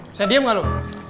bisa diam gak lo